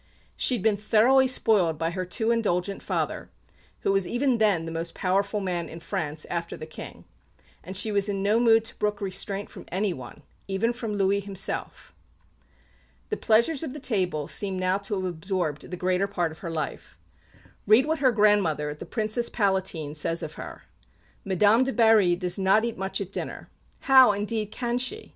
She had been thoroughly spoiled by her too indulgent father, who was even then the most powerful man in France after the King; and she was in no mood to brook restraint from anyone, even from Louis himself. The pleasures of the table seem now to have absorbed the greater part of her life. Read what her grandmother, the Princess Palatine, says of her: "Madame de Berry does not eat much at dinner. How, indeed, can she?